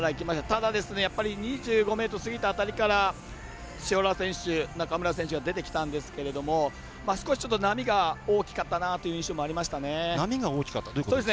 ただ、２５ｍ過ぎた辺りから塩浦選手、中村選手が出てきたんですけれども少しちょっと波が大きかったなという印象がありました。